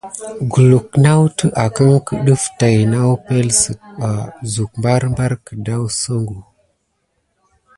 Kulu nawute akenki def tät na epəŋle suk barbar kidasaku.